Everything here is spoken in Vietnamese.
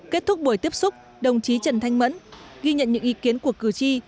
kết thúc buổi tiếp xúc đồng chí trần thanh mẫn ghi nhận những ý kiến của cử tri